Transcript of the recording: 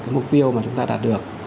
cái mục tiêu mà chúng ta đạt được